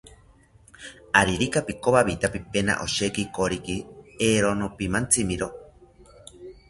Aririka pikowawita pipena osheki koriki, eero nopimantzimiro